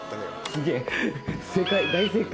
すげぇ正解大正解！